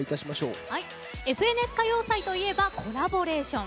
「ＦＮＳ歌謡祭」といえばコラボレーション。